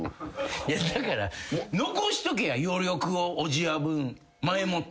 いやだから残しとけや余力をおじや分前もって。